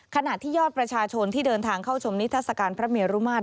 ขณะที่ยอดประชาชนที่เดินทางเข้าชมนิทัศกาลพระเมรุมาตร